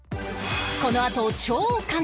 このあと超簡単！